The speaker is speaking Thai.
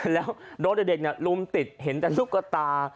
แล้วโดนเด็กลุมติดเห็นแต่ซุปตา